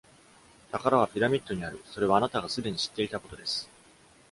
宝はピラミッドにある、それはあなたが既に知っていたことです。